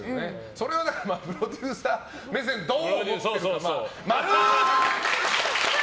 それはプロデューサー目線でどう思っているか。